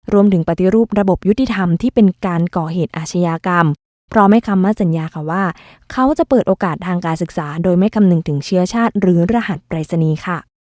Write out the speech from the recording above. ปฏิรูประบบยุติธรรมที่เป็นการก่อเหตุอาชญากรรมพร้อมให้คำมั่นสัญญาค่ะว่าเขาจะเปิดโอกาสทางการศึกษาโดยไม่คำนึงถึงเชื้อชาติหรือรหัสปรายศนีย์ค่ะ